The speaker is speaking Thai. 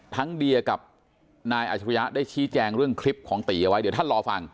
เดียกับนายอัชริยะได้ชี้แจงเรื่องคลิปของตีเอาไว้เดี๋ยวท่านรอฟัง